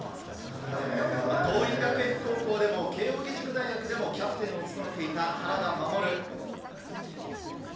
桐蔭学園高校でも慶應義塾大学でもキャプテンを務めていた原田衛。